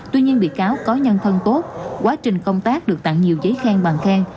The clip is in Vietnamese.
tuy nhiên bị cáo có nhân thân tốt quá trình công tác được tặng nhiều giấy khen bằng khen